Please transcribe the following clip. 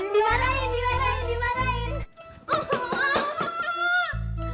dimarahin dimarahin dimarahin